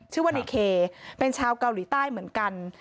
ชื่อว่าในเคเป็นชาวเกาหลีใต้เหมือนกัน